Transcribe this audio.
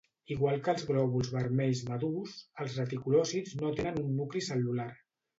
Igual que els glòbuls vermells madurs, els reticulòcits no tenen un nucli cel·lular.